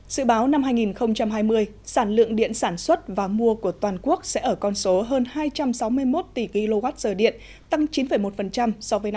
sự báo năm hai nghìn hai mươi sản lượng điện sản xuất và mua của toàn quốc sẽ ở con số hơn hai trăm sáu mươi một tỷ kwh điện tăng chín một so với năm hai nghìn hai mươi